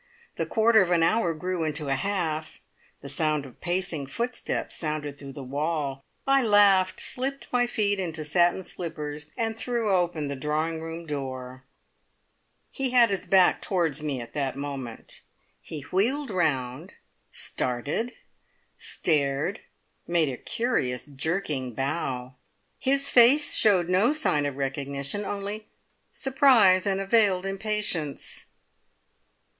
The quarter of an hour grew into a half, the sound of pacing footsteps sounded through the wall. I laughed, slipped my feet into satin slippers, and threw open the drawing room door. He had his back towards me at that moment; he wheeled round, started, stared, made a curious jerking bow. His face showed no sign of recognition, only surprise and a veiled impatience.